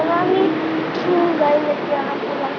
tapi dasar elegansya buntu